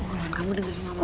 ulan kamu dengerin mama